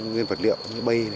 nguyên vật liệu như bây